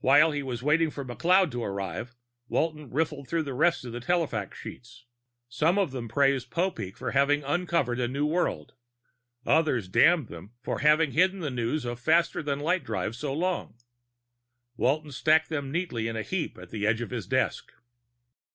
While he waited for McLeod to arrive, Walton riffled through the rest of the telefax sheets. Some of them praised Popeek for having uncovered a new world; others damned them for having hidden news of the faster than light drive so long. Walton stacked them neatly in a heap at the edge of his desk.